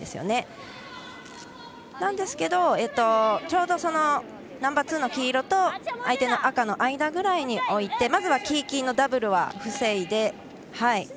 そうなのですが、ちょうどナンバーツーの黄色と相手の赤の間ぐらいに置いてまずは黄色と黄色のダブルは防いで。